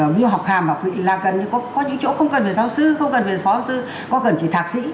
ví dụ học hàm học vị là cần có những chỗ không cần phải giáo sư không cần phải phó sư có cần chỉ thạc sĩ